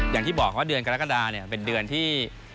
อย่างที่บอกว่าเดือนกรกฎาเนี่ยเป็นเดือนที่